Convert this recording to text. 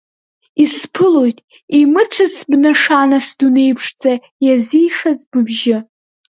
Исԥылоит имыцәац бнашана, сдунеиԥшӡа иазишаз быбжьы.